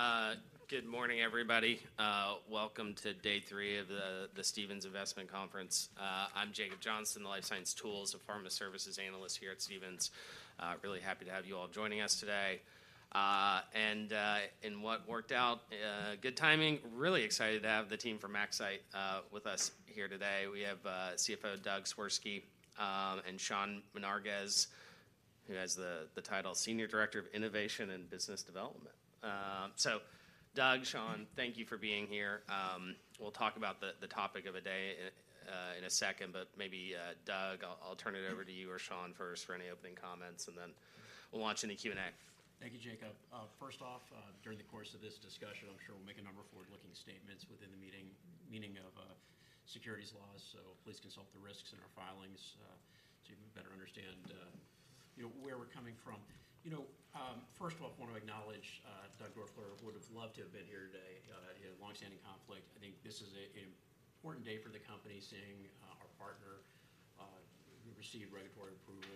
All right, good morning, everybody. Welcome to day three of the Stephens Investment Conference. I'm Jacob Johnson, the life science tools and pharma services analyst here at Stephens. Really happy to have you all joining us today. And what worked out good timing, really excited to have the team from MaxCyte with us here today. We have CFO Doug Swirsky and Sean Menarguez, who has the title Senior Director of Innovation and Business Development. So Doug, Sean, thank you for being here. We'll talk about the topic of the day in a second, but maybe, Doug, I'll turn it over to you or Sean first for any opening comments, and then we'll launch into Q&A. Thank you, Jacob. First off, during the course of this discussion, I'm sure we'll make a number of forward-looking statements within the meaning of securities laws, so please consult the risks in our filings to better understand you know where we're coming from. You know, first of all, I want to acknowledge Doug Doerfler would've loved to have been here today. He had a long-standing conflict. I think this is an important day for the company, seeing our partner receive regulatory approval.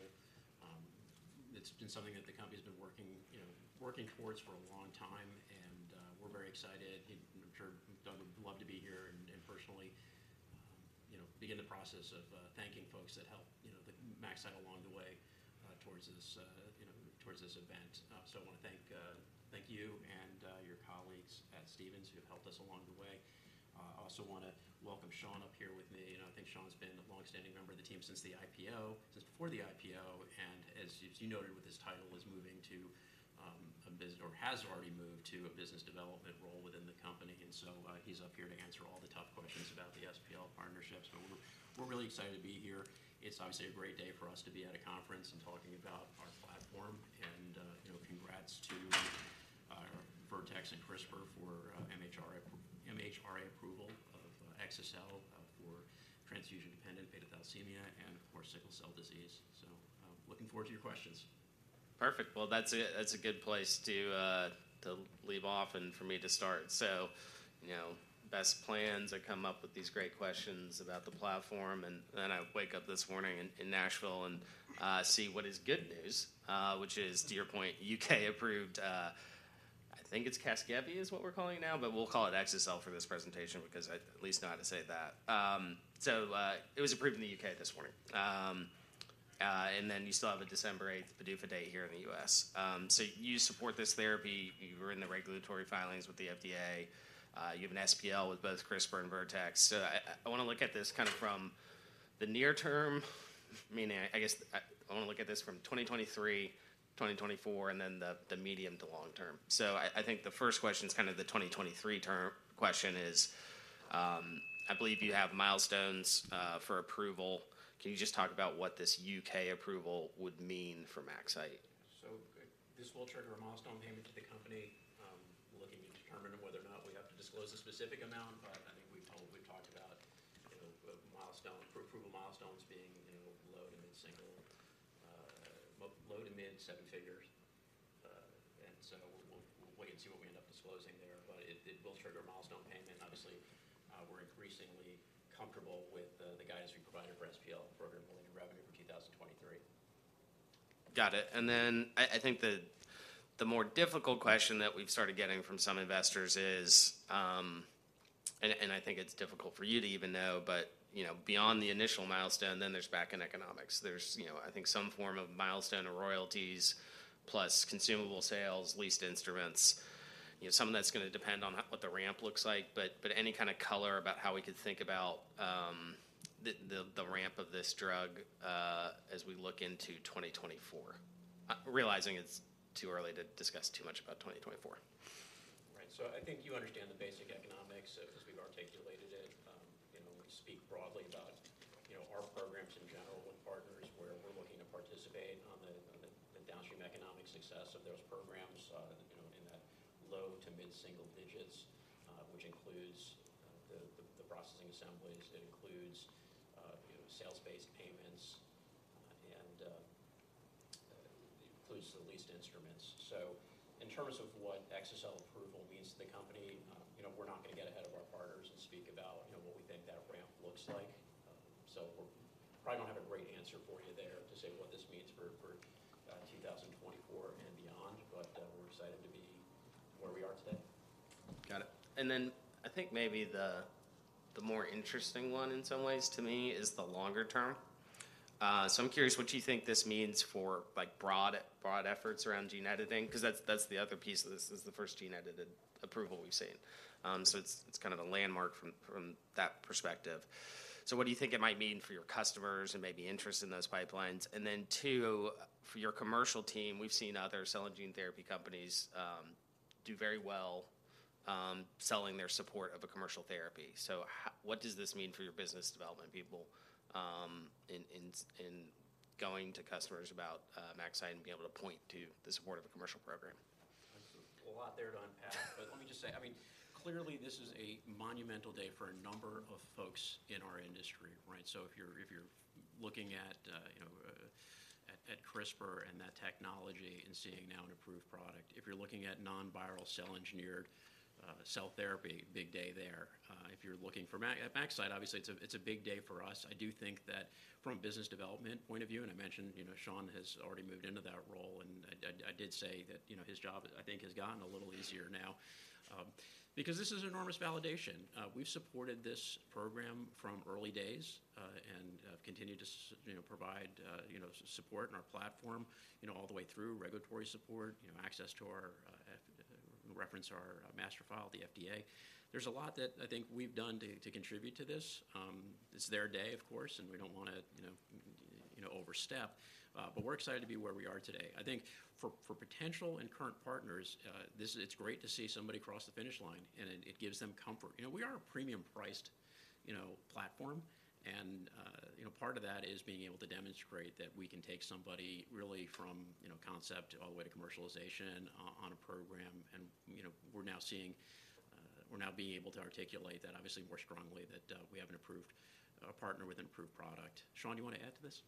It's been something that the company's been working you know working towards for a long time, and we're very excited. I'm sure Doug would love to be here and personally, you know, begin the process of thanking folks that helped, you know, the MaxCyte along the way towards this, you know, towards this event. So I wanna thank you and your colleagues at Stephens who have helped us along the way. I also wanna welcome Sean up here with me, and I think Sean's been a long-standing member of the team since the IPO, since before the IPO, and as you noted with his title, is moving to a business or has already moved to a business development role within the company. And so he's up here to answer all the tough questions about the SPL partnerships. But we're really excited to be here. It's obviously a great day for us to be at a conference and talking about our platform, and, you know, congrats to Vertex and CRISPR for MHRA approval of exa-cel for transfusion-dependent beta thalassemia and, of course, sickle cell disease. So, looking forward to your questions. Perfect. Well, that's a good place to leave off and for me to start. So, you know, best plans, I come up with these great questions about the platform, and then I wake up this morning in Nashville and see what is good news, which is, to your point, U.K. approved. I think it's Casgevy, is what we're calling it now, but we'll call it exa-cel for this presentation because I at least know how to say that. So, it was approved in the U.K. this morning. And then you still have a December eighth PDUFA date here in the U.S. So you support this therapy. You were in the regulatory filings with the FDA. You have an SPL with both CRISPR and Vertex. So I wanna look at this kind of from the near term, meaning, I guess, I wanna look at this from 2023, 2024, and then the medium to long term. So I think the first question is kind of the 2023 term question is, I believe you have milestones for approval. Can you just talk about what this UK approval would mean for MaxCyte? This will trigger a milestone payment to the company. We're looking to determine whether or not we have to disclose a specific amount, but I think we've probably talked about, you know, milestone, approval milestones being, you know, low to mid-single low to mid-seven figures. And so we'll, we'll wait and see what we end up disclosing there, but it, it will trigger a milestone payment. Obviously, we're increasingly comfortable with the, the guidance we provided for SPL program billing and revenue for 2023. Got it, and then I think the more difficult question that we've started getting from some investors is... And I think it's difficult for you to even know, but you know, beyond the initial milestone, then there's back-end economics. There's you know, I think some form of milestone or royalties, plus consumable sales, leased instruments. You know, some of that's gonna depend on what the ramp looks like, but any kind of color about how we could think about the ramp of this drug as we look into 2024, realizing it's too early to discuss too much about 2024. Right. So I think you understand the basic economics as we've articulated it. You know, when we speak broadly about, you know, our programs in general with partners, where we're looking to participate on the downstream economic success of those programs, you know, in that low to mid-single digits, which includes the processing assemblies, it includes sales-based payments, and it includes the leased instruments. So in terms of what exa-cel approval means to the company, you know, we're not gonna get ahead of our partners and speak about, you know, what we think that ramp looks like. So we probably don't have a great answer for you there to say what this means for 2024 and beyond, but we're excited to be where we are today. Got it, and then I think maybe the more interesting one in some ways to me is the longer term. So I'm curious, what do you think this means for, like, broad efforts around gene editing? Because that's the other piece of this. This is the first gene-edited approval we've seen. So it's kind of a landmark from that perspective. So what do you think it might mean for your customers and maybe interest in those pipelines? And then two, for your commercial team, we've seen other cell and gene therapy companies do very well selling their support of a commercial therapy. So what does this mean for your business development people in going to customers about MaxCyte and being able to point to the support of a commercial program? There's a lot there to unpack, but let me just say, I mean, clearly, this is a monumental day for a number of folks in our industry, right? So if you're looking at, you know, at CRISPR and that technology and seeing now an approved product, if you're looking at non-viral cell engineered cell therapy, big day there, if you're looking at MaxCyte, obviously it's a big day for us. I do think that from a business development point of view, and I mentioned, you know, Sean has already moved into that role, and I did say that, you know, his job I think has gotten a little easier now, because this is enormous validation. We've supported this program from early days, and have continued to you know, provide, you know, support in our platform, you know, all the way through regulatory support, you know, access to our, reference our master file, the FDA. There's a lot that I think we've done to contribute to this. It's their day, of course, and we don't want to, you know, you know, overstep, but we're excited to be where we are today. I think for potential and current partners, it's great to see somebody cross the finish line, and it gives them comfort. You know, we are a premium priced, you know, platform, and, you know, part of that is being able to demonstrate that we can take somebody really from, you know, concept all the way to commercialization on a program. You know, we're now seeing, we're now being able to articulate that obviously more strongly, that we have an approved partner with an approved product. Sean, do you want to add to this?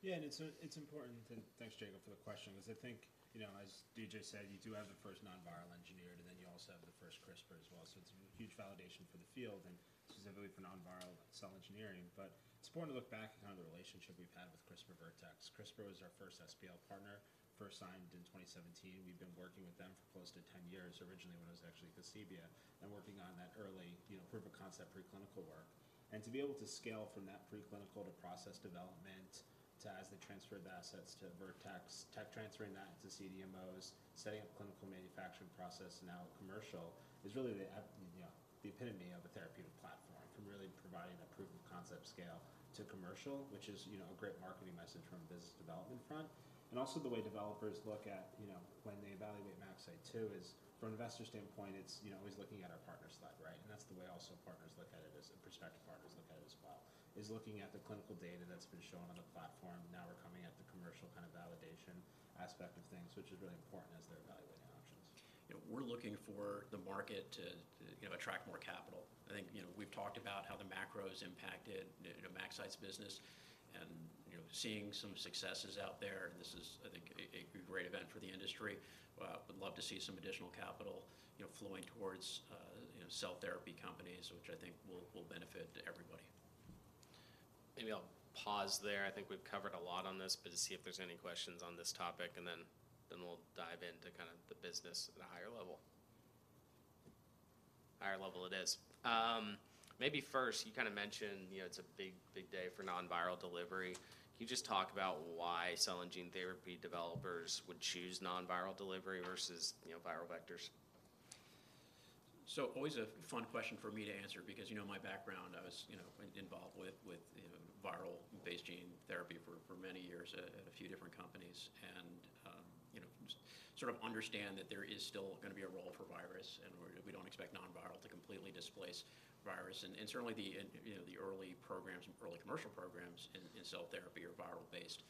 Yeah, and it's important, and thanks, Jacob, for the question, 'cause I think, you know, as Doug said, you do have the first non-viral engineered, and then you also have the first CRISPR as well, so it's a huge validation for the field and specifically for non-viral cell engineering. But it's important to look back on the relationship we've had with CRISPR Vertex. CRISPR was our first SPL partner, first signed in 2017. We've been working with them for close to 10 years, originally when it was actually Casgevy, and working on that early, you know, proof of concept preclinical work. And to be able to scale from that preclinical to process development, to as they transferred the assets to Vertex, tech transferring that to CDMOs, setting up clinical manufacturing process, now commercial, is really the, you know, the epitome of a therapeutic platform. From really providing a proof of concept scale to commercial, which is, you know, a great marketing message from a business development front. And also the way developers look at, you know, when they evaluate MaxCyte too, is from an investor standpoint, it's, you know, always looking at our partner slide, right? And that's the way also partners look at it, as prospective partners look at it as well, is looking at the clinical data that's been shown on the platform. Now we're coming at the commercial kind of validation aspect of things, which is really important as they're evaluating options. You know, we're looking for the market to you know, attract more capital. I think, you know, we've talked about how the macro has impacted, you know, MaxCyte's business and, you know, seeing some successes out there, and this is, I think, a great event for the industry. Would love to see some additional capital, you know, flowing towards you know, cell therapy companies, which I think will benefit everybody. Maybe I'll pause there. I think we've covered a lot on this, but to see if there's any questions on this topic, and then, then we'll dive into kind of the business at a higher level. Higher level it is. Maybe first, you kind of mentioned, you know, it's a big, big day for non-viral delivery. Can you just talk about why cell and gene therapy developers would choose non-viral delivery versus, you know, viral vectors? So always a fun question for me to answer because, you know, my background, I was, you know, involved with viral-based gene therapy for many years at a few different companies. And you know, just sort of understand that there is still gonna be a role for virus, and we don't expect non-viral to completely displace virus. And certainly the early programs and early commercial programs in cell therapy are viral based.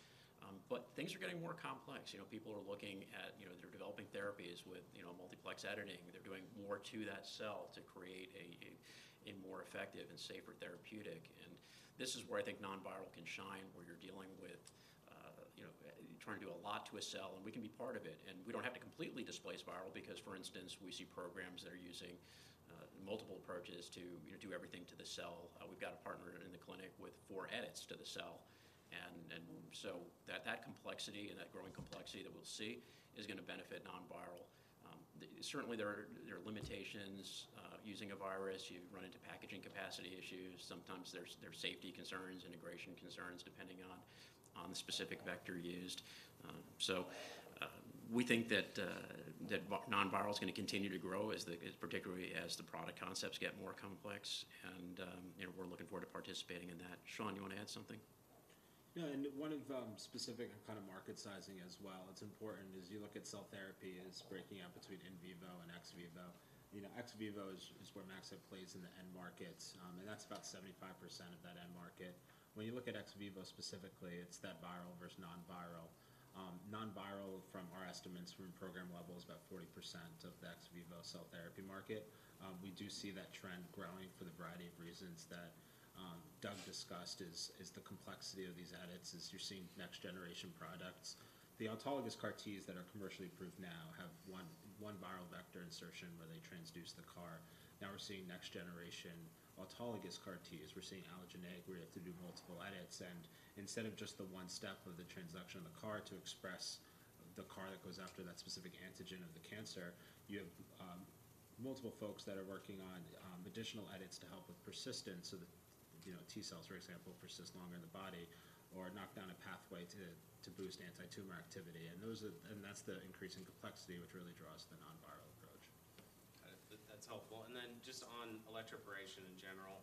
But things are getting more complex. You know, people are looking at you know, they're developing therapies with multiplex editing. They're doing more to that cell to create a more effective and safer therapeutic. This is where I think non-viral can shine, where you're dealing with, you know, trying to do a lot to a cell, and we can be part of it. We don't have to completely displace viral because, for instance, we see programs that are using multiple approaches to, you know, do everything to the cell. We've got a partner in the clinic with four edits to the cell. So that complexity and that growing complexity that we'll see is gonna benefit non-viral. Certainly, there are limitations. Using a virus, you run into packaging capacity issues. Sometimes there are safety concerns, integration concerns, depending on the specific vector used. So, we think that non-viral is going to continue to grow, particularly as the product concepts get more complex, and, you know, we're looking forward to participating in that. Sean, you want to add something? Yeah, and one of specific kind of market sizing as well, it's important as you look at cell therapy as breaking up between in vivo and ex vivo. You know, ex vivo is where MaxCyte plays in the end markets, and that's about 75% of that end market. When you look at ex vivo specifically, it's that viral versus non-viral. Non-viral, from our estimates from program level, is about 40% of the ex vivo cell therapy market. We do see that trend growing for the variety of reasons that Doug discussed, is the complexity of these edits, as you're seeing next generation products. The autologous CAR Ts that are commercially approved now have one viral vector insertion where they transduce the CAR. Now we're seeing next generation autologous CAR Ts. We're seeing allogeneic, where you have to do multiple edits, and instead of just the one step of the transduction of the CAR to express the CAR that goes after that specific antigen of the cancer, you have multiple folks that are working on additional edits to help with persistence so that, you know, T cells, for example, persist longer in the body or knock down a pathway to boost antitumor activity. And that's the increasing complexity, which really draws the non-viral approach. That's helpful. And then just on electroporation in general,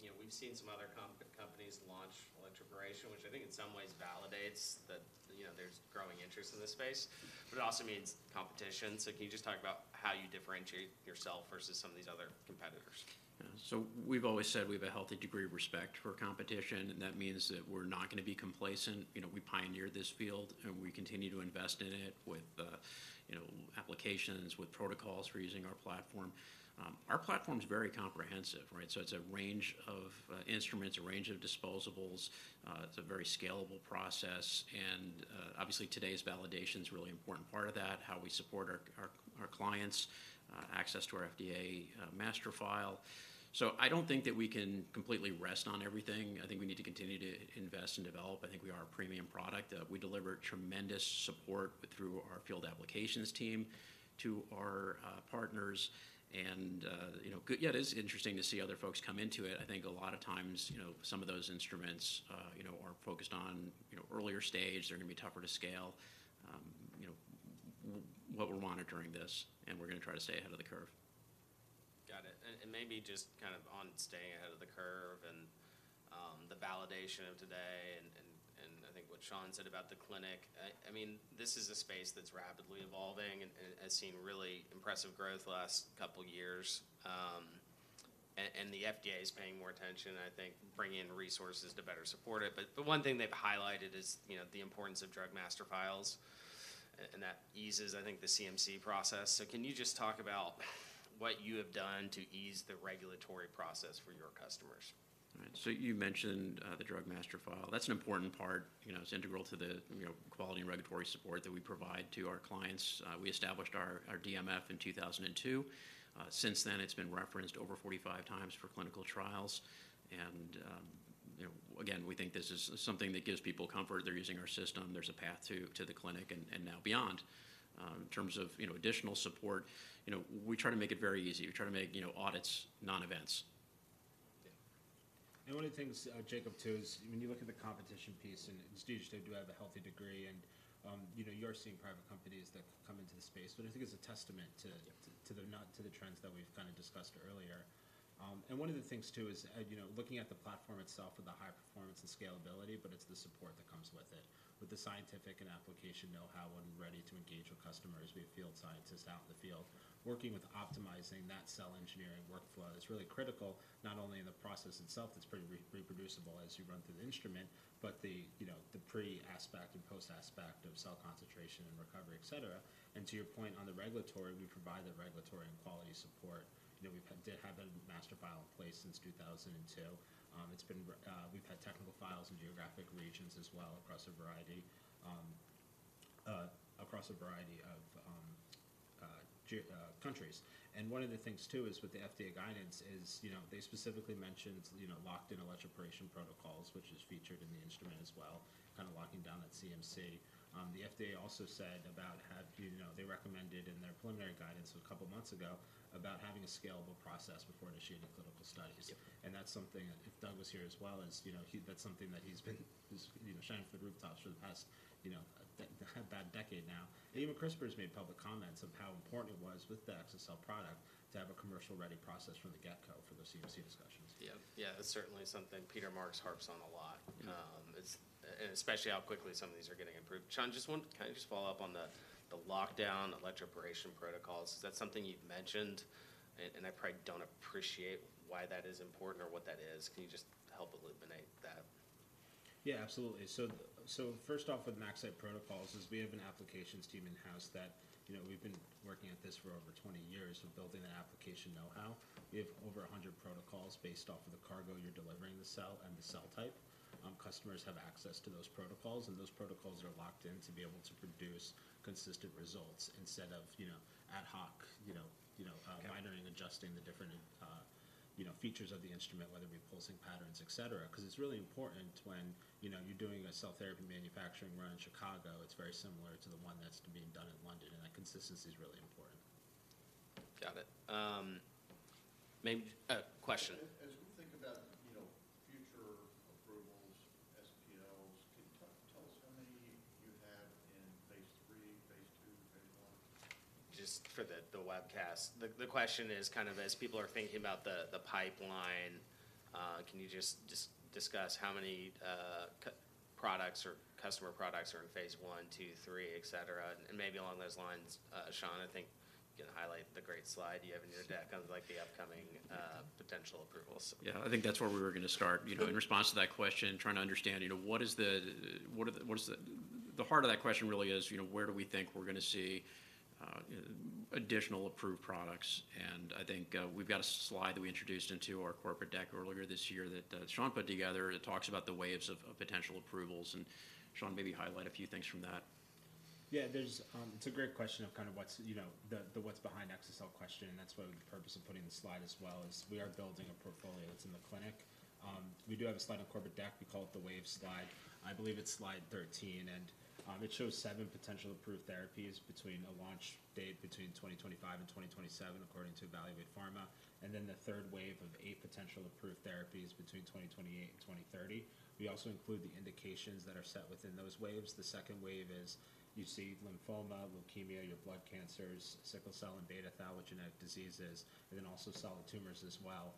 you know, we've seen some other companies launch electroporation, which I think in some ways validates that, you know, there's growing interest in this space, but it also means competition. So can you just talk about how you differentiate yourself versus some of these other competitors? Yeah. So we've always said we have a healthy degree of respect for competition, and that means that we're not going to be complacent. You know, we pioneered this field, and we continue to invest in it with, you know, applications, with protocols for using our platform. Our platform is very comprehensive, right? So it's a range of instruments, a range of disposables. It's a very scalable process, and obviously, today's validation is a really important part of that, how we support our clients access to our FDA master file. So I don't think that we can completely rest on everything. I think we need to continue to invest and develop. I think we are a premium product. We deliver tremendous support through our field applications team to our partners. You know, yeah, it is interesting to see other folks come into it. I think a lot of times, you know, some of those instruments, you know, are focused on, you know, earlier stage. They're going to be tougher to scale. You know, we're monitoring this, and we're going to try to stay ahead of the curve. Got it. And maybe just kind of on staying ahead of the curve and the validation of today and I think what Sean said about the clinic. I mean, this is a space that's rapidly evolving and has seen really impressive growth the last couple of years. And the FDA is paying more attention, I think, bringing in resources to better support it. But the one thing they've highlighted is, you know, the importance of drug master files, and that eases, I think, the CMC process. So can you just talk about what you have done to ease the regulatory process for your customers? All right. So you mentioned the Drug Master File. That's an important part. You know, it's integral to the quality and regulatory support that we provide to our clients. We established our DMF in 2002. Since then, it's been referenced over 45 times for clinical trials. And you know, again, we think this is something that gives people comfort. They're using our system. There's a path to the clinic and now beyond. In terms of additional support, you know, we try to make it very easy. We try to make audits non-events. Yeah. One of the things, Jacob, too, is when you look at the competition piece, and it's good to have a healthy degree and, you know, you're seeing private companies that come into the space, but I think it's a testament to- Yeah... to the, not to the trends that we've kind of discussed earlier. And one of the things, too, is, you know, looking at the platform itself with the high performance and scalability, but it's the support that comes with it, with the scientific and application know-how and ready to engage with customers. We have field scientists out in the field working with optimizing that cell engineering workflow. It's really critical, not only in the process itself, it's pretty reproducible as you run through the instrument, but the, you know, the pre-aspect and post-aspect of cell concentration and recovery, etc. And to your point on the regulatory, we provide the regulatory and quality support. You know, we did have a master file in place since 2002. It's been, we've had technical files in geographic regions as well across a variety of countries. And one of the things, too, is with the FDA guidance is, you know, they specifically mentioned, you know, locked-in electroporation protocols, which is featured in the instrument as well, kind of locking down that CMC. The FDA also said about how, you know, they recommended in their preliminary guidance a couple of months ago about having a scalable process before initiating the clinical studies. Yep. And that's something, and if Doug was here as well, as you know, he that's something that he's been, you know, shouting from the rooftops for the past, you know, a bad decade now. And even CRISPR has made public comments of how important it was with the exa-cel product to have a commercial-ready process from the get-go for those CMC discussions. Yeah. Yeah, that's certainly something Peter Marks harps on a lot. Mm-hmm.... it's and especially how quickly some of these are getting approved. Sean, just one, can I just follow up on the lockdown electroporation protocols? Is that something you've mentioned? And I probably don't appreciate why that is important or what that is. Can you just help illuminate that? Yeah, absolutely. So, first off, with MaxCyte protocols, we have an applications team in-house that, you know, we've been working at this for over 20 years with building the application know-how. We have over 100 protocols based off of the cargo you're delivering the cell and the cell type. Customers have access to those protocols, and those protocols are locked in to be able to produce consistent results instead of, you know, ad hoc, you know, you know- Yeah... monitoring and adjusting the different, you know, features of the instrument, whether it be pulsing patterns, etc. 'Cause it's really important when, you know, you're doing a cell therapy manufacturing run in Chicago, it's very similar to the one that's being done in London, and that consistency is really important. Got it. Maybe question. As we think about, you know, future approvals, SPLs, can you tell us how many you have in phase III, phase II, phase I? Just for the webcast. The question is kind of as people are thinking about the pipeline, can you just discuss how many customer products are in phase I, II, III, etc.? And maybe along those lines, Sean, I think you can highlight the great slide you have in your deck. Sure... of like the upcoming, potential approvals. Yeah, I think that's where we were going to start. Sure. You know, in response to that question, trying to understand, you know, what is the heart of that question really is, you know, where do we think we're going to see additional approved products? And I think, we've got a slide that we introduced into our corporate deck earlier this year that Sean put together. It talks about the waves of potential approvals. And Sean, maybe highlight a few things from that. Yeah, there's. It's a great question of kind of what's, you know, the, the what's behind ExPERT question, and that's why the purpose of putting the slide as well is we are building a portfolio that's in the clinic. We do have a slide on corporate deck. We call it the wave slide. I believe it's slide 13, and it shows seven potential approved therapies between a launch date between 2025 and 2027, according to Evaluate Pharma, and then the third wave of potential approved therapies between 2028 and 2030. We also include the indications that are set within those waves. The second wave is, you see lymphoma, leukemia, your blood cancers, sickle cell, and beta-thalassemic diseases, and then also solid tumors as well.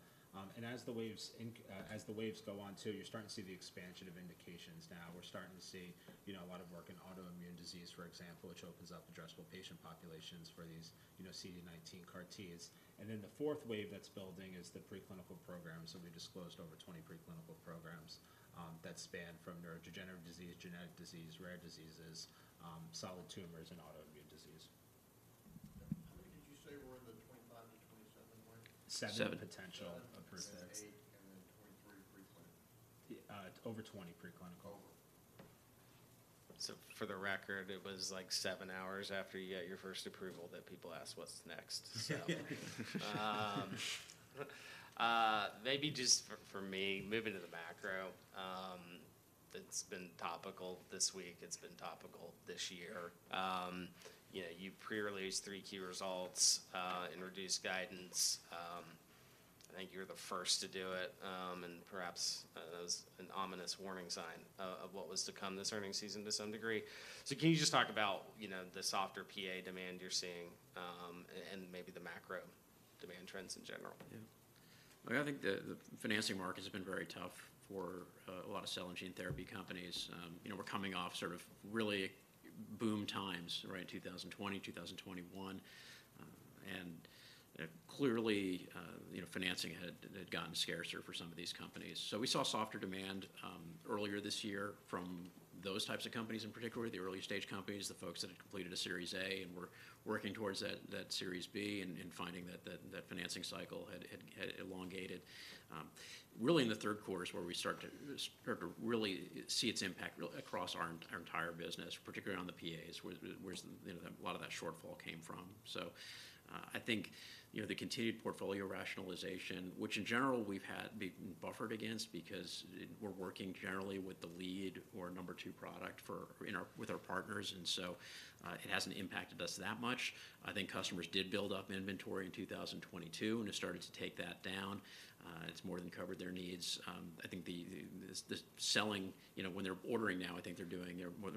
And as the waves go on, too, you're starting to see the expansion of indications now. We're starting to see, you know, a lot of work in autoimmune disease, for example, which opens up addressable patient populations for these, you know, CD19 CAR-Ts. And then the fourth wave that's building is the preclinical programs, so we disclosed over 20 preclinical programs that span from neurodegenerative disease, genetic disease, rare diseases, solid tumors, and autoimmune. ... seven potential approvals. 7, 8, and then 23 preclinical. Over 20 preclinical. Over. So for the record, it was like seven hours after you got your first approval that people asked what's next, so maybe just for me, moving to the macro, it's been topical this week, it's been topical this year. You know, you pre-released three key results, introduced guidance. I think you're the first to do it, and perhaps as an ominous warning sign of what was to come this earnings season to some degree. So can you just talk about, you know, the softer PA demand you're seeing, and maybe the macro demand trends in general? Yeah. I mean, I think the financing market has been very tough for a lot of cell and gene therapy companies. You know, we're coming off sort of really boom times, right? In 2020, 2021, and clearly, you know, financing had gotten scarcer for some of these companies. So we saw softer demand earlier this year from those types of companies, in particular, the early-stage companies, the folks that had completed a Series A and were working towards that Series B and finding that financing cycle had elongated. Really in the third quarter is where we start to really see its impact across our entire business, particularly on the PAs, where you know, a lot of that shortfall came from. So, I think, you know, the continued portfolio rationalization, which in general we've had been buffered against because we're working generally with the lead or number two product for our partners, and so, it hasn't impacted us that much. I think customers did build up inventory in 2022, and have started to take that down. It's more than covered their needs. I think the selling, you know, when they're ordering now, I think they're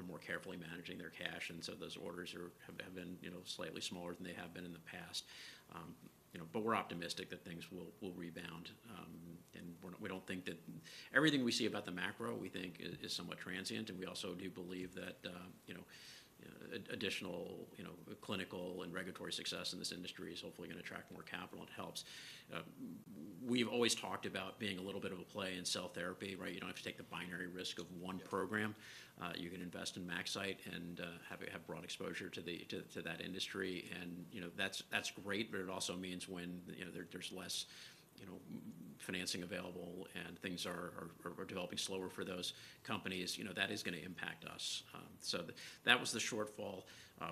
more carefully managing their cash, and so those orders have been, you know, slightly smaller than they have been in the past. You know, but we're optimistic that things will rebound, and we don't think that... Everything we see about the macro, we think is somewhat transient, and we also do believe that, you know, additional, you know, clinical and regulatory success in this industry is hopefully going to attract more capital and helps. We've always talked about being a little bit of a play in cell therapy, right? You don't have to take the binary risk of one program. Yeah. You can invest in MaxCyte and have broad exposure to that industry, and you know, that's great, but it also means when you know, there's less you know, financing available and things are developing slower for those companies, you know, that is gonna impact us. So that was the shortfall.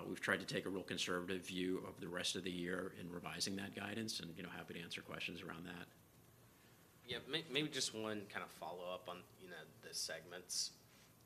We've tried to take a real conservative view of the rest of the year in revising that guidance, and you know, happy to answer questions around that. Yeah, maybe just one kind of follow-up on, you know, the segments.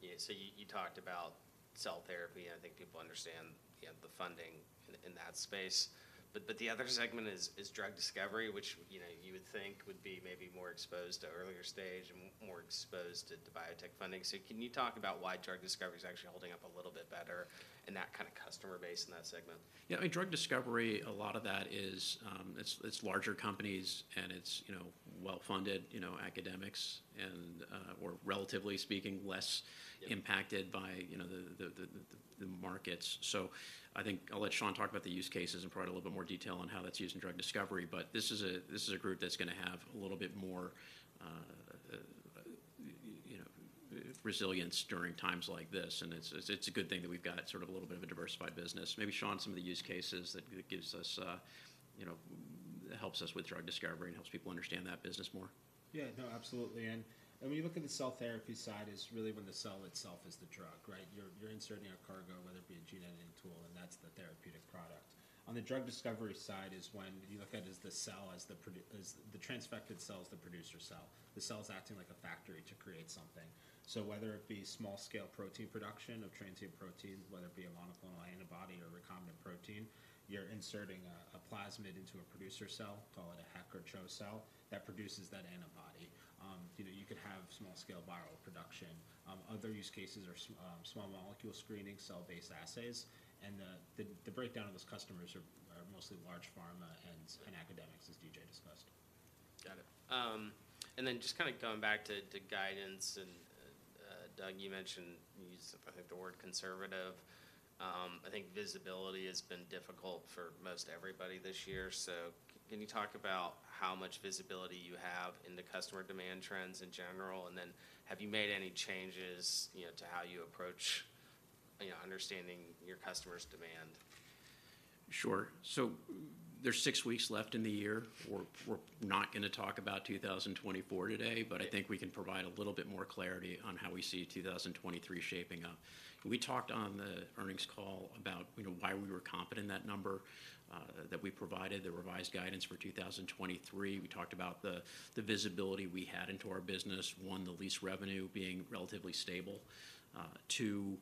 Yeah, so you talked about cell therapy, and I think people understand, you know, the funding in that space. But the other segment is drug discovery, which, you know, you would think would be maybe more exposed to earlier stage and more exposed to biotech funding. So can you talk about why drug discovery is actually holding up a little bit better in that kind of customer base, in that segment? Yeah, I mean, drug discovery, a lot of that is... It's larger companies, and it's, you know, well-funded, you know, academics, and or relatively speaking, less- Yeah... impacted by, you know, the markets. So I think I'll let Sean talk about the use cases and provide a little bit more detail on how that's used in drug discovery. But this is a group that's gonna have a little bit more, you know, resilience during times like this, and it's a good thing that we've got sort of a little bit of a diversified business. Maybe, Sean, some of the use cases that gives us, you know, helps us with drug discovery and helps people understand that business more. Yeah, no, absolutely. And when you look at the cell therapy side, it's really when the cell itself is the drug, right? You're, you're inserting a cargo, whether it be a gene editing tool, and that's the therapeutic product. On the drug discovery side, it's when you look at the cell as the transfected cell is the producer cell. The cell's acting like a factory to create something. So whether it be small-scale protein production of transient proteins, whether it be a monoclonal antibody or recombinant protein, you're inserting a, a plasmid into a producer cell, call it a HEK or CHO cell, that produces that antibody. You know, you could have small-scale viral production. Other use cases are small molecule screening, cell-based assays, and the breakdown of those customers are mostly large pharma and academics, as Doug discussed. Got it. And then just kind of going back to guidance, Doug, you mentioned, you used, I think, the word conservative. I think visibility has been difficult for most everybody this year. So can you talk about how much visibility you have in the customer demand trends in general? And then, have you made any changes, you know, to how you approach, you know, understanding your customers' demand? Sure. So there's 6 weeks left in the year. We're not gonna talk about 2024 today, but I think we can provide a little bit more clarity on how we see 2023 shaping up. We talked on the earnings call about, you know, why we were confident in that number that we provided, the revised guidance for 2023. We talked about the visibility we had into our business. One, the lease revenue being relatively stable. Two,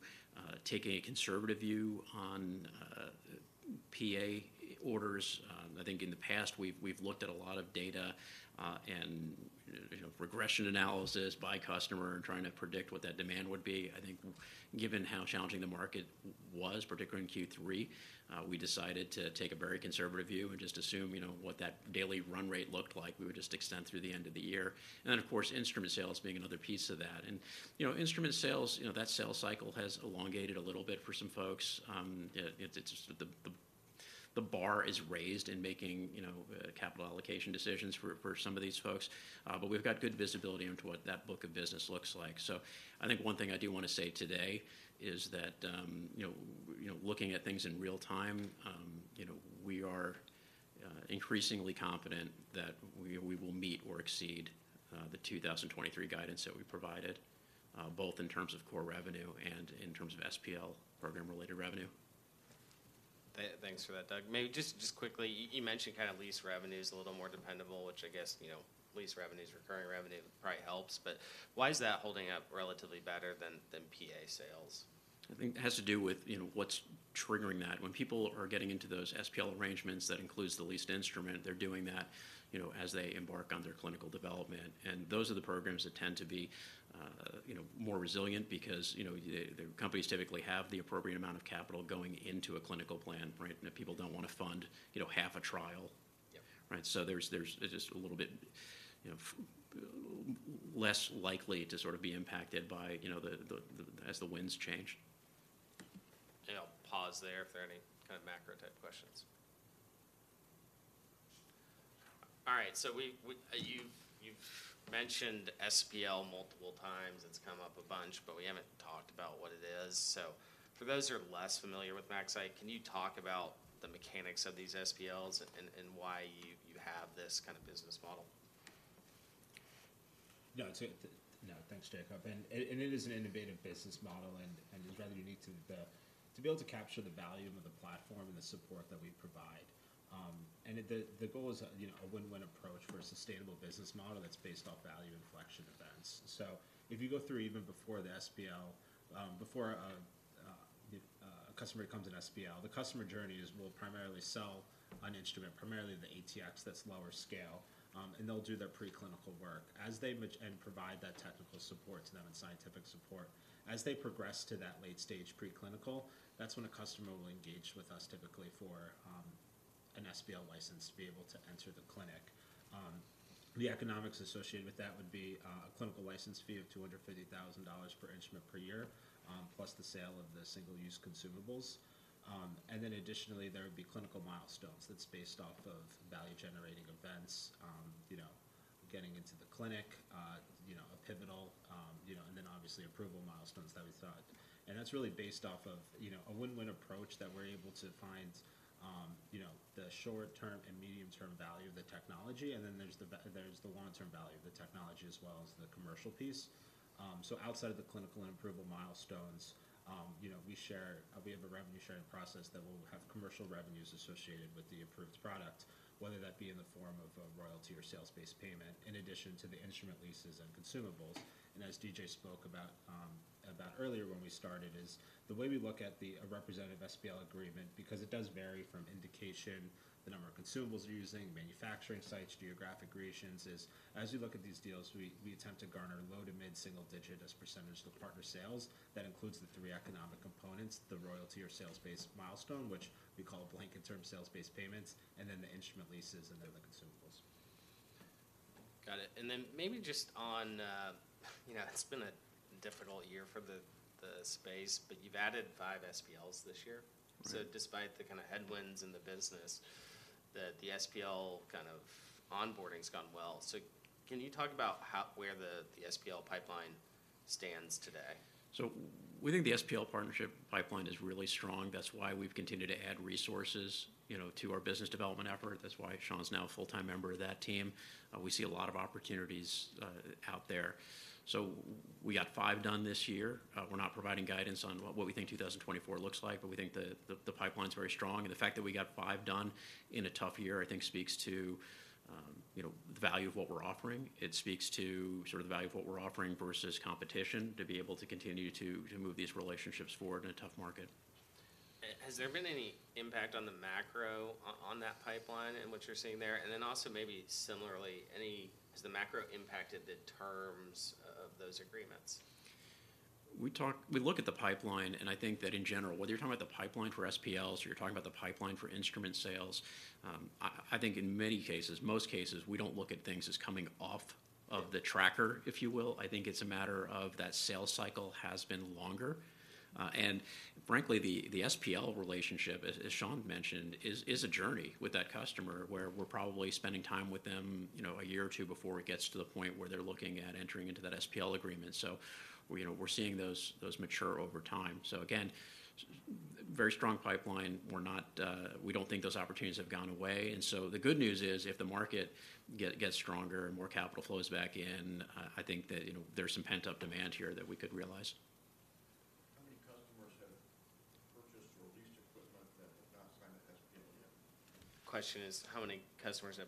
taking a conservative view on PA orders. I think in the past, we've looked at a lot of data, and, you know, regression analysis by customer and trying to predict what that demand would be. I think given how challenging the market was, particularly in Q3, we decided to take a very conservative view and just assume, you know, what that daily run rate looked like. We would just extend through the end of the year, and then, of course, instrument sales being another piece of that. And, you know, instrument sales, you know, that sales cycle has elongated a little bit for some folks. It's just the bar is raised in making, you know, capital allocation decisions for some of these folks, but we've got good visibility into what that book of business looks like. So I think one thing I do want to say today is that, you know, you know, looking at things in real time, you know, we are... Increasingly confident that we will meet or exceed the 2023 guidance that we provided both in terms of core revenue and in terms of SPL program-related revenue. Thanks for that, Doug. Maybe just quickly, you mentioned kind of lease revenue is a little more dependable, which I guess, you know, lease revenue is recurring revenue, probably helps. But why is that holding up relatively better than PA sales? I think it has to do with, you know, what's triggering that. When people are getting into those SPL arrangements, that includes the leased instrument, they're doing that, you know, as they embark on their clinical development. And those are the programs that tend to be, you know, more resilient because, you know, the companies typically have the appropriate amount of capital going into a clinical plan, right? And if people don't want to fund, you know, half a trial- Yeah. Right. So there's just a little bit, you know, less likely to sort of be impacted by, you know, the... As the winds change. Yeah, I'll pause there if there are any kind of macro-type questions. All right, so we, you've mentioned SPL multiple times, it's come up a bunch, but we haven't talked about what it is. So for those who are less familiar with MaxCyte, can you talk about the mechanics of these SPLs and why you have this kind of business model? Yeah, so, yeah, thanks, Jacob. And it is an innovative business model, and it's rather unique to be able to capture the value of the platform and the support that we provide. And it's the goal is, you know, a win-win approach for a sustainable business model that's based off value inflection events. So if you go through even before the SPL, before a customer becomes an SPL, the customer journey is we'll primarily sell an instrument, primarily the ATx, that's lower scale, and they'll do their preclinical work. As they and provide that technical support to them and scientific support, as they progress to that late-stage preclinical, that's when a customer will engage with us typically for an SPL license to be able to enter the clinic. The economics associated with that would be a clinical license fee of $250,000 per instrument per year, plus the sale of the single-use consumables. And then additionally, there would be clinical milestones that's based off of value-generating events, you know, getting into the clinic, you know, a pivotal, you know, and then obviously approval milestones that we thought. And that's really based off of, you know, a win-win approach that we're able to find, you know, the short-term and medium-term value of the technology, and then there's the long-term value of the technology as well as the commercial piece. So outside of the clinical and approval milestones, you know, we share... We have a revenue-sharing process that will have commercial revenues associated with the approved product, whether that be in the form of a royalty or sales-based payment, in addition to the instrument leases and consumables. As Doug spoke about earlier when we started, the way we look at a representative SPL agreement, because it does vary from indication, the number of consumables you're using, manufacturing sites, geographic regions, is as we look at these deals, we attempt to garner low- to mid-single-digit as a percentage of the partner sales. That includes the three economic components: the royalty or sales-based milestone, which we call blanket-term sales-based payments, and then the instrument leases, and then the consumables. Got it. Then maybe just on, you know, it's been a difficult year for the space, but you've added five SPLs this year. Right. Despite the kinda headwinds in the business, the SPL kind of onboarding's gone well. Can you talk about how, where the SPL pipeline stands today? So we think the SPL partnership pipeline is really strong. That's why we've continued to add resources, you know, to our business development effort. That's why Sean's now a full-time member of that team. We see a lot of opportunities out there. So we got five done this year. We're not providing guidance on what we think 2024 looks like, but we think the pipeline's very strong. And the fact that we got five done in a tough year, I think, speaks to, you know, the value of what we're offering. It speaks to sort of the value of what we're offering versus competition, to be able to continue to move these relationships forward in a tough market. Has there been any impact on the macro on that pipeline and what you're seeing there? And then also, maybe similarly, any... Has the macro impacted the terms of those agreements? We look at the pipeline, and I think that in general, whether you're talking about the pipeline for SPLs or you're talking about the pipeline for instrument sales, I think in many cases, most cases, we don't look at things as coming off of the tracker, if you will. I think it's a matter of that sales cycle has been longer. And frankly, the SPL relationship, as Sean mentioned, is a journey with that customer, where we're probably spending time with them, you know, a year or two before it gets to the point where they're looking at entering into that SPL agreement. So we, you know, we're seeing those mature over time. So again, very strong pipeline. We're not... We don't think those opportunities have gone away. The good news is, if the market gets stronger and more capital flows back in, I think that, you know, there's some pent-up demand here that we could realize. How many customers have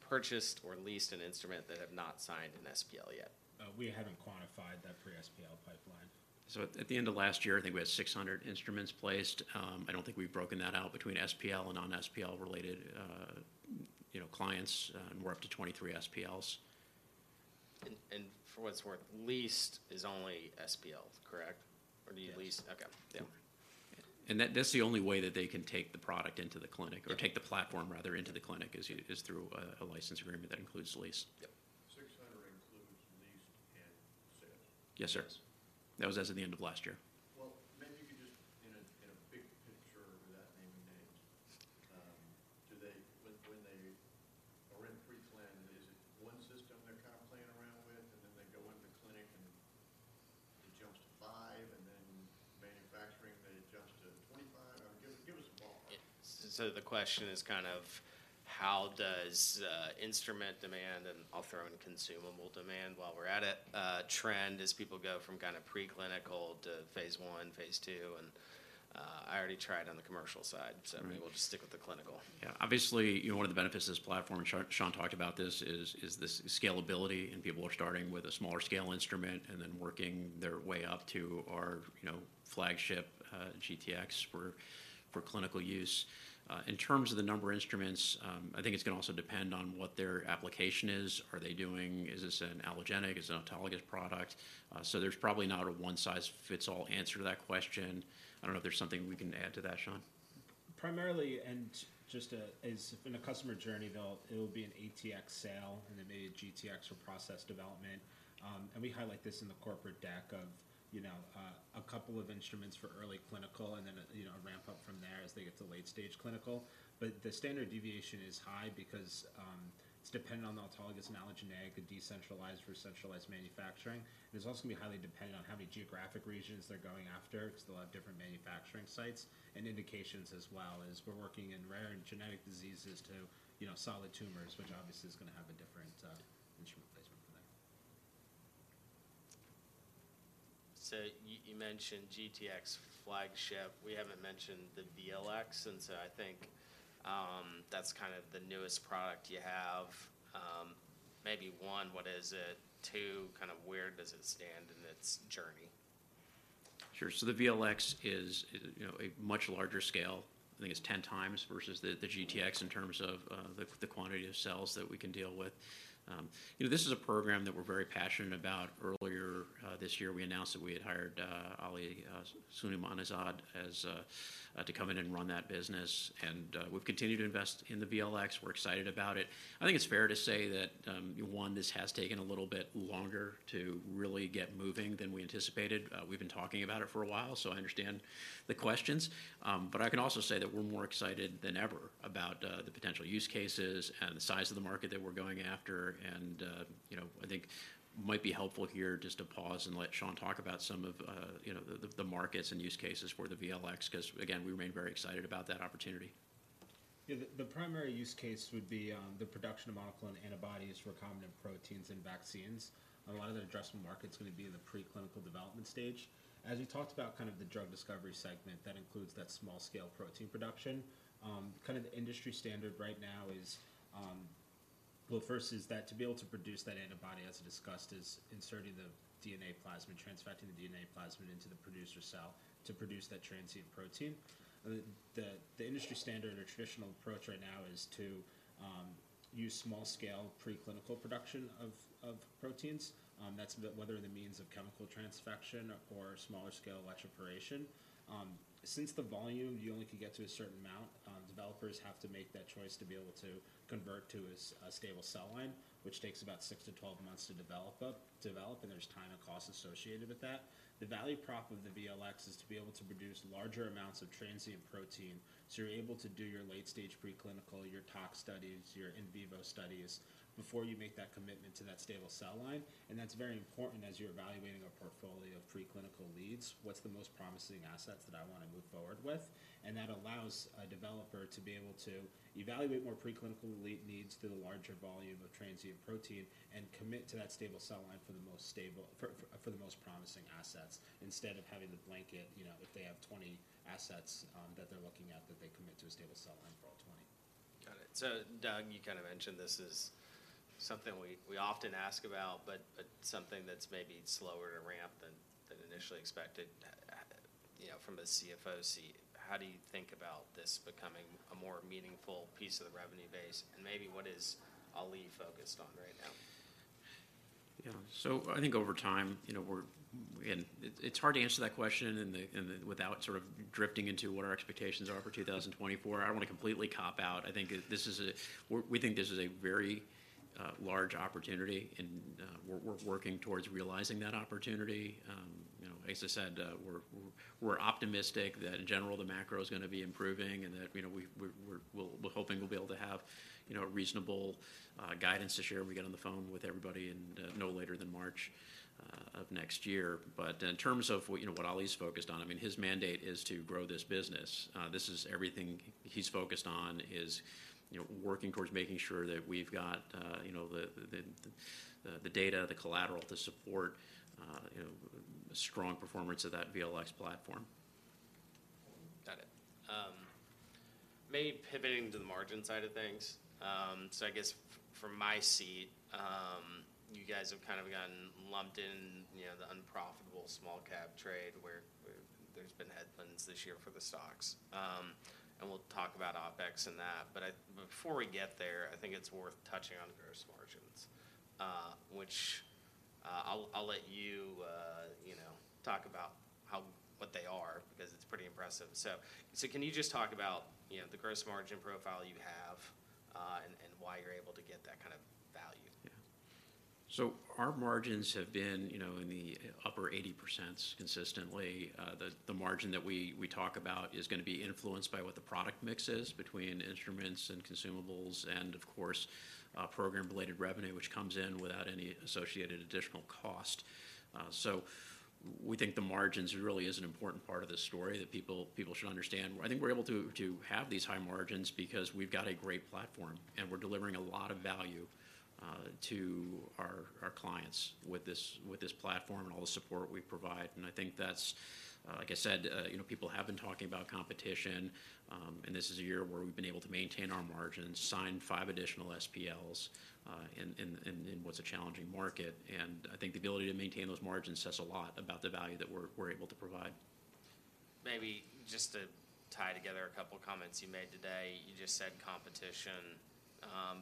purchased or leased equipment that have not signed an SPL yet? The question is, how many customers have purchased or leased an instrument that have not signed an SPL yet? We haven't quantified that pre-SPL pipeline. At the end of last year, I think we had 600 instruments placed. I don't think we've broken that out between SPL and non-SPL related, you know, clients. We're up to 23 SPLs. and for what it's worth, leased is only SPL, correct? Or do you lease- Yes. Okay, yeah. And that's the only way that they can take the product into the clinic. Yeah... or take the platform, rather, into the clinic, is through a license agreement that includes the lease. Yep. 600 includes leased and sold? Yes, sir. Yes. That was as of the end of last year. Well, maybe you could just in a big picture, without naming names, do they fit they adjust to 25? Give us a ballpark. So the question is kind of: How does instrument demand, and I'll throw in consumable demand while we're at it, trend as people go from kind of preclinical to phase I, phase II? And I already tried on the commercial side- Right. Maybe we'll just stick with the clinical. Yeah. Obviously, you know, one of the benefits of this platform, and Sean talked about this, is this scalability, and people are starting with a smaller scale instrument and then working their way up to our, you know, flagship, GTx for clinical use. In terms of the number of instruments, I think it's gonna also depend on what their application is. Are they doing... Is this an allogeneic? Is it an autologous product? So there's probably not a one-size-fits-all answer to that question. I don't know if there's something we can add to that, Sean. Primarily, and just as in a customer journey, it'll be an ATx sale and then maybe a GTx for process development. And we highlight this in the corporate deck of, you know, a couple of instruments for early clinical and then a, you know, a ramp-up from there as they get to late-stage clinical. But the standard deviation is high because it's dependent on the autologous and allogeneic, and decentralized or centralized manufacturing. It's also going to be highly dependent on how many geographic regions they're going after, because they'll have different manufacturing sites and indications as well as we're working in rare and genetic diseases to, you know, solid tumors, which obviously is going to have a different instrument placement for that. So you mentioned GTx flagship. We haven't mentioned the VLx, and so I think that's kind of the newest product you have. Maybe, one, what is it? Two, kind of where does it stand in its journey? Sure. So the VLx is, you know, a much larger scale. I think it's 10 times versus the GTx in terms of the quantity of cells that we can deal with. You know, this is a program that we're very passionate about. Earlier this year, we announced that we had hired Ali Soleymanasab to come in and run that business, and we've continued to invest in the VLx. We're excited about it. I think it's fair to say that one, this has taken a little bit longer to really get moving than we anticipated. We've been talking about it for a while, so I understand the questions. But I can also say that we're more excited than ever about the potential use cases and the size of the market that we're going after. You know, I think it might be helpful here just to pause and let Sean talk about some of, you know, the markets and use cases for the VLx, 'cause, again, we remain very excited about that opportunity. Yeah, the primary use case would be the production of monoclonal antibodies for recombinant proteins and vaccines. A lot of the addressable market's gonna be in the preclinical development stage. As we talked about kind of the drug discovery segment, that includes that small-scale protein production. Kind of the industry standard right now is. Well, first is that to be able to produce that antibody, as we discussed, is inserting the DNA plasmid, transfecting the DNA plasmid into the producer cell to produce that transient protein. The industry standard or traditional approach right now is to use small-scale preclinical production of proteins. That's whether in the means of chemical transfection or smaller scale electroporation. Since the volume, you only can get to a certain amount, developers have to make that choice to be able to convert to a stable cell line, which takes about six to 12 months to develop up, develop, and there's time and cost associated with that. The value prop of the VLx is to be able to produce larger amounts of transient protein, so you're able to do your late-stage preclinical, your tox studies, your in vivo studies before you make that commitment to that stable cell line, and that's very important as you're evaluating a portfolio of preclinical leads. What's the most promising assets that I want to move forward with? And that allows a developer to be able to evaluate more preclinical lead needs through the larger volume of transient protein and commit to that stable cell line for the most stable... for the most promising assets, instead of having to blanket, you know, if they have 20 assets, that they're looking at, that they commit to a stable cell line for all 20. Got it. So Doug, you kind of mentioned this is something we often ask about, but something that's maybe slower to ramp than initially expected. You know, from a CFO seat, how do you think about this becoming a more meaningful piece of the revenue base? And maybe what is Ali focused on right now? Yeah. So I think over time, you know, we're. And it, it's hard to answer that question in the without sort of drifting into what our expectations are for 2024. I want to completely cop out. I think this is a. We think this is a very large opportunity, and we're working towards realizing that opportunity. You know, as I said, we're optimistic that in general, the macro is gonna be improving and that, you know, we're hoping we'll be able to have, you know, a reasonable guidance this year when we get on the phone with everybody in no later than March of next year. But in terms of what, you know, what Ali's focused on, I mean, his mandate is to grow this business. This is everything he's focused on is, you know, working towards making sure that we've got, you know, the data, the collateral to support, you know, strong performance of that VLx platform. Got it. Maybe pivoting to the margin side of things. So I guess from my seat, you guys have kind of gotten lumped in, you know, the unprofitable small cap trade, where there's been headwinds this year for the stocks. And we'll talk about OpEx and that, but I... Before we get there, I think it's worth touching on gross margins, which I'll let you, you know, talk about how what they are, because it's pretty impressive. So can you just talk about, you know, the gross margin profile you have, and why you're able to get that kind of value? Yeah. So our margins have been, you know, in the upper 80% consistently. The margin that we talk about is gonna be influenced by what the product mix is between instruments and consumables and, of course, program-related revenue, which comes in without any associated additional cost. We think the margins really is an important part of the story that people should understand. I think we're able to have these high margins because we've got a great platform, and we're delivering a lot of value to our clients with this platform and all the support we provide. I think that's, like I said, you know, people have been talking about competition, and this is a year where we've been able to maintain our margins, sign five additional SPLs, in what's a challenging market. I think the ability to maintain those margins says a lot about the value that we're able to provide. Maybe just to tie together a couple comments you made today, you just said competition,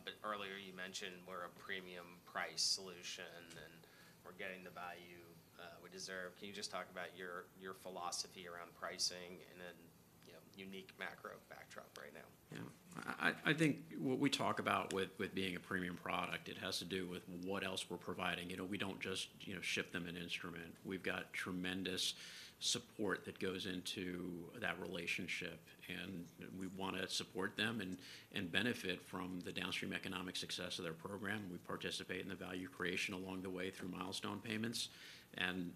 but earlier you mentioned we're a premium price solution, and we're getting the value we deserve. Can you just talk about your, your philosophy around pricing and then, you know, unique macro backdrop right now? Yeah. I think what we talk about with being a premium product, it has to do with what else we're providing. You know, we don't just, you know, ship them an instrument. We've got tremendous support that goes into that relationship, and we want to support them and benefit from the downstream economic success of their program. We participate in the value creation along the way through milestone payments, and,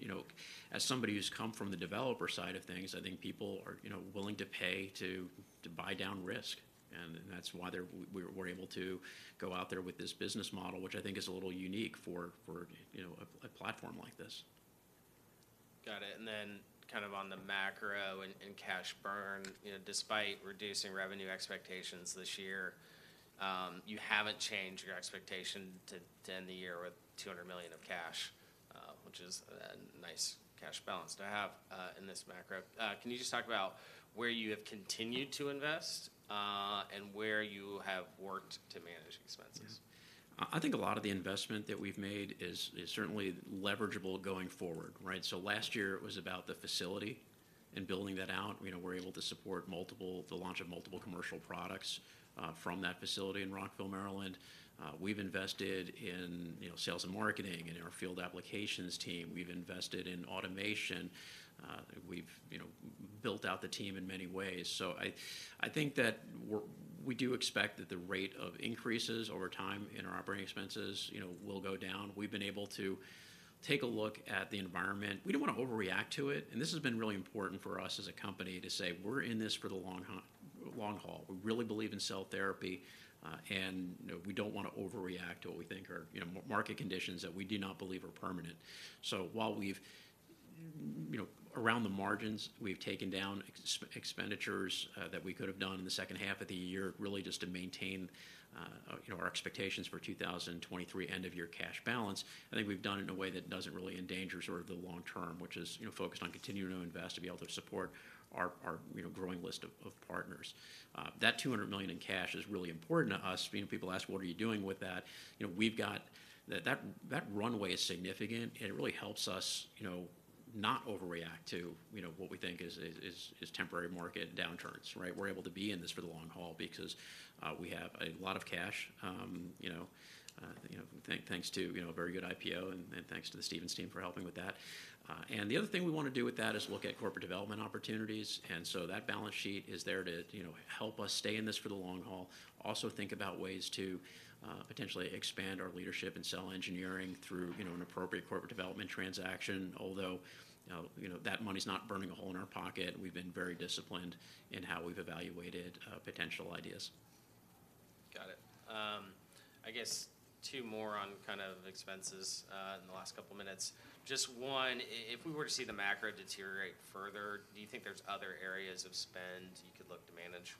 you know, as somebody who's come from the developer side of things, I think people are, you know, willing to pay to buy down risk, and that's why they're, we're able to go out there with this business model, which I think is a little unique for a platform like this. Got it. And then kind of on the macro and cash burn, you know, despite reducing revenue expectations this year, you haven't changed your expectation to end the year with $200 million of cash, which is a nice cash balance to have, in this macro. Can you just talk about where you have continued to invest, and where you have worked to manage expenses? I think a lot of the investment that we've made is certainly leverageable going forward, right? So last year, it was about the facility and building that out. You know, we're able to support the launch of multiple commercial products from that facility in Rockville, Maryland. We've invested in, you know, sales and marketing and in our field applications team. We've invested in automation. We've, you know, built out the team in many ways. So, I think that we're we do expect that the rate of increases over time in our operating expenses, you know, will go down. We've been able to take a look at the environment. We don't want to overreact to it, and this has been really important for us as a company to say, "We're in this for the long haul." We really believe in cell therapy, and, you know, we don't want to overreact to what we think are, you know, market conditions that we do not believe are permanent. So while we've, you know... Around the margins, we've taken down expenditures, that we could have done in the second half of the year, really just to maintain, you know, our expectations for 2023 end-of-year cash balance. I think we've done it in a way that doesn't really endanger sort of the long term, which is, you know, focused on continuing to invest, to be able to support our growing list of partners. That $200 million in cash is really important to us. You know, people ask, "What are you doing with that?" You know, we've got... That runway is significant, and it really helps us, you know, not overreact to, you know, what we think is temporary market downturns, right? We're able to be in this for the long haul because we have a lot of cash, you know, thanks to, you know, a very good IPO and, and thanks to the Stephens team for helping with that. And the other thing we want to do with that is look at corporate development opportunities, and so that balance sheet is there to, you know, help us stay in this for the long haul, also think about ways to potentially expand our leadership in cell engineering through, you know, an appropriate corporate development transaction. Although, you know, that money's not burning a hole in our pocket. We've been very disciplined in how we've evaluated potential ideas. Got it. I guess two more on kind of expenses, in the last couple minutes. Just one, if we were to see the macro deteriorate further, do you think there's other areas of spend you could look to manage?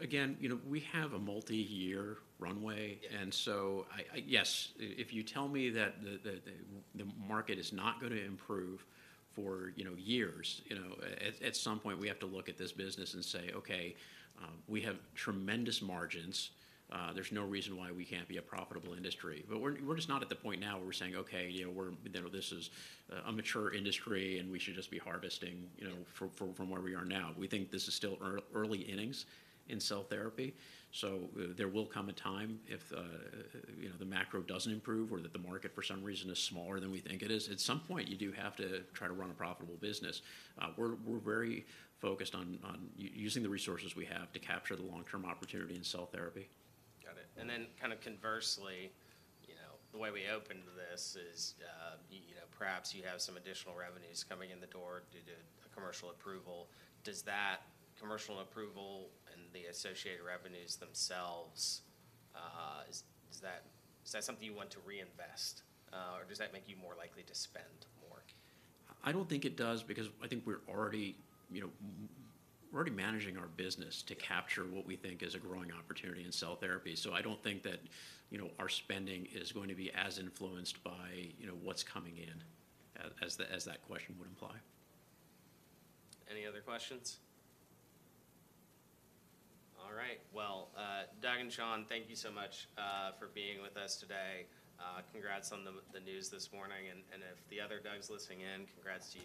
Again, you know, we have a multiyear runway. Yeah. And so, yes, if you tell me that the market is not going to improve for, you know, years, you know, at some point, we have to look at this business and say, "Okay, we have tremendous margins. There's no reason why we can't be a profitable industry." But we're just not at the point now where we're saying, "Okay, you know, this is a mature industry, and we should just be harvesting, you know, from where we are now." We think this is still early innings in cell therapy, so there will come a time if, you know, the macro doesn't improve or that the market, for some reason, is smaller than we think it is, at some point, you do have to try to run a profitable business. We're very focused on using the resources we have to capture the long-term opportunity in cell therapy. Got it. And then kind of conversely, you know, the way we opened this is, you know, perhaps you have some additional revenues coming in the door due to a commercial approval. Does that commercial approval and the associated revenues themselves, is that something you want to reinvest, or does that make you more likely to spend more? I don't think it does because I think we're already, you know, we're already managing our business to capture what we think is a growing opportunity in cell therapy. So I don't think that, you know, our spending is going to be as influenced by, you know, what's coming in, as that, as that question would imply. Any other questions? All right. Well, Doug and Sean, thank you so much for being with us today. Congrats on the, the news this morning, and, and if the other Doug's listening in, congrats to you.